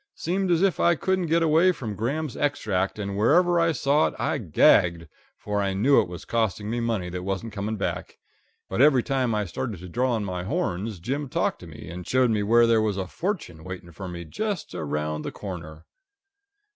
Seemed as if I couldn't get away from Graham's Extract, and whenever I saw it I gagged, for I knew it was costing me money that wasn't coming back; but every time I started to draw in my horns Jim talked to me, and showed me where there was a fortune waiting for me just around the corner.